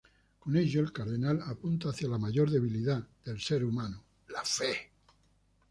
Con ello, el cardenal apunta hacia la mayor debilidad del ser humano, la fe.